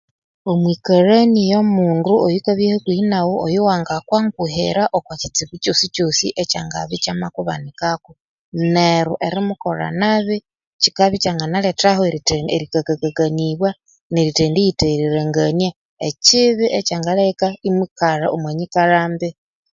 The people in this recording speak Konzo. Omwikalhani yomundu oyukabya hakuhi nghu oyuwanga kwanguhira okwakitsibu kyosikyosi ekyangabya ikyamakubanikako neru erimukolha nabi kyikabya ikyanginalethaho erikakakanibwa nerithendiyitheghereribwa ekibi ekyanginalethaho enyikalha mbi